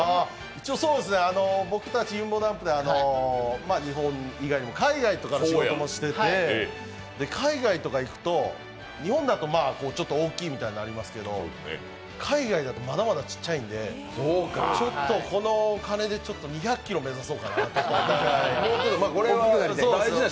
一応、僕たちゆんぼだんぷで日本以外にも海外とかの仕事もしてて、海外とか行くと日本だとちょっと大きいみたいになりますけど海外だとまだまだちっちゃいので、この金で２００ｋｇ目指そうかなと。